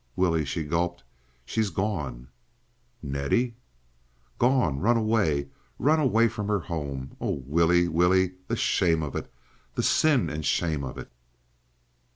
"Willie," she gulped, "she's gone!" "Nettie?" "Gone! ... Run away. ... Run away from her home. Oh, Willie, Willie! The shame of it! The sin and shame of it!"